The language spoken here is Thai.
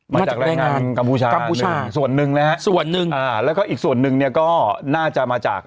มาจากแรงงานกัมพูชากัมพูชาส่วนหนึ่งนะฮะส่วนหนึ่งอ่าแล้วก็อีกส่วนหนึ่งเนี่ยก็น่าจะมาจาก